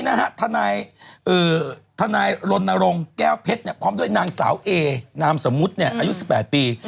เมื่อวานนี้ทนายลนรงแก้วเพชรพร้อมด้วยนางสาวเอ๋นามสมุทรอายุ๑๘ปี